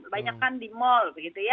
banyak kan di mal